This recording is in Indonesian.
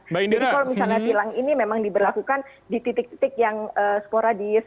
jadi kalau misalnya tilang ini memang diberlakukan di titik titik yang sporadis